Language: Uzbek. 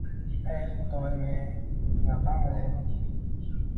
E Xudoyim-yey! Shunaqami, oʻgʻlim?!